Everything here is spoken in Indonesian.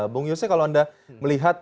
bung yose kalau anda melihat